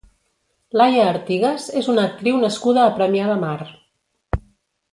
Laia Artigas és una actriu nascuda a Premià de Mar.